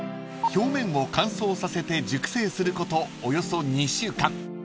［表面を乾燥させて熟成することおよそ２週間］